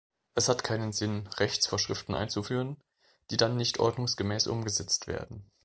Es hat keinen Sinn, Rechtsvorschriften einzuführen, die dann nicht ordnungsgemäß umgesetzt werden.